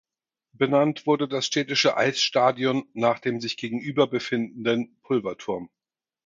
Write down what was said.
Benannt wurde das städtische Eisstadion nach dem sich gegenüber befindenden Pulverturm.